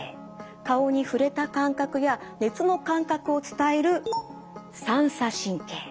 顔に触れた感覚や熱の感覚を伝える「三叉神経」。